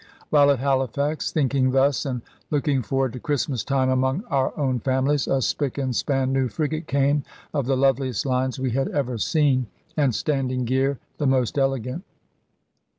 While at Halifax thinking thus, and looking forward to Christmas time among our own families, a spick and span new frigate came, of the loveliest lines we had ever seen, and standing gear the most elegant.